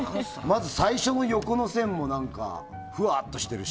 まず最初の横の線もふわっとしてるし。